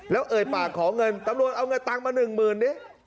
แล้วเอ่ยปากขอเงินตำรวจเอาเงินตังค์มา๑๐๐๐๐ด้วย